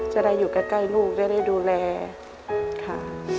จะได้อยู่ใกล้ลูกจะได้ดูแลค่ะ